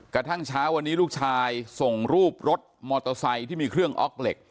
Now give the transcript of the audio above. กระทั่งเช้าวันนี้ลูกชายส่งรูปรถมอเตอร์ไซค์ที่มีเครื่องออกเหล็ก